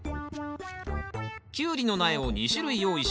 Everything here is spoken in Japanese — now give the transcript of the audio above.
キュウリの苗を２種類用意しました。